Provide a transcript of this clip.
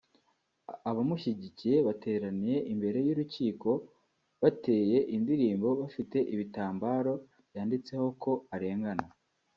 abamushyigikiye bateraniye imbere y’urukiko bateye indirimo bafite ibitambaro byanditseho ko arengana